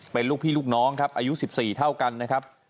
เป็นลูกพี่ลูกน้องครับอายุ๑๔เท่ากันนะครับ